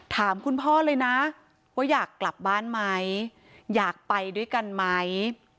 ถามคุณพ่อเลยนะว่าอยากกลับบ้านไหมอยากไปด้วยกันไหม